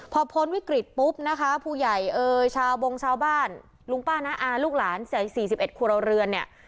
พอพ้นวิกฤตปุ๊บนะคะผู้ใหญ่เอ่ยชาวบงชาวบ้านลุงป้าน้าอาลูกหลานใส่๔๑ครัวเรือนเนี่ย